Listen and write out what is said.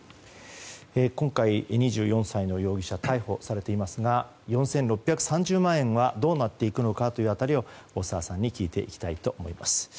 今回、２４歳の容疑者逮捕されていますが４６３０万円はどうなっていくのかという辺りを大澤さんに聞いていきたいと思います。